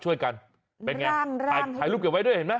ช่วยกันไปถ่ายรูปเก็บไว้ด้วยเห็นมั้ย